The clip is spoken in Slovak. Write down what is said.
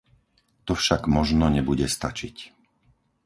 To však možno nebude stačiť.